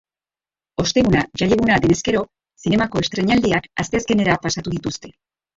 Osteguna jaieguna denez gero, zinemako estreinaldiak asteazkenera pasatu dituzte.